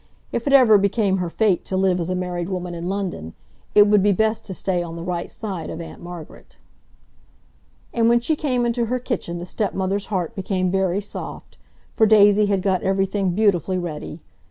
If it ever became her fate to live as a married woman in London, it would be best to stay on the right side of Aunt Margaret. And when she came into her kitchen the stepmother's heart became very soft, for Daisy had got everything beautifully ready.